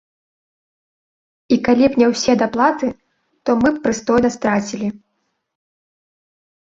І калі б не ўсе даплаты, то мы б прыстойна страцілі.